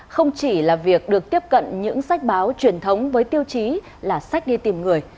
không chỉ là việc được tiếp cận những sách báo truyền thống với tiêu chí là sách đi tìm người